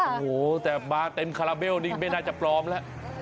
โอ้โหแต่มาเต็มคาราเบลนี่ไม่น่าจะปลอมแล้ว